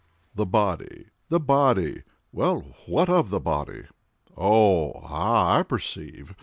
"The body, the body—well, what of the body?—oh! ah! I perceive.